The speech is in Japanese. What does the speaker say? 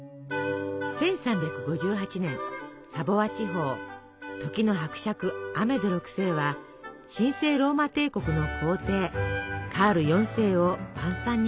１３５８年サヴォワ地方時の伯爵アメデ６世は神聖ローマ帝国の皇帝カール４世を晩餐に招きます。